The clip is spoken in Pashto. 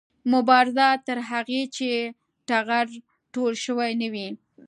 مبارزه تر هغې چې ټغر ټول شوی نه وي